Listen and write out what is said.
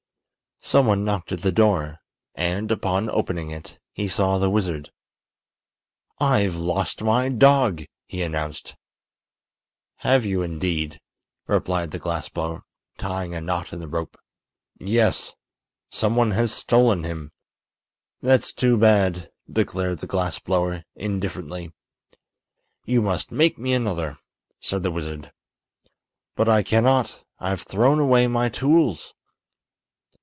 Some one knocked at the door, and, upon opening it, he saw the wizard. "I've lost my dog," he announced. "Have you, indeed?" replied the glass blower tying a knot in the rope. "Yes; some one has stolen him." "That's too bad," declared the glass blower, indifferently. "You must make me another," said the wizard. "But I cannot; I've thrown away my tools."